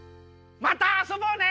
またあそぼうね。